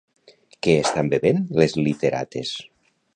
Què estan bevent les literates?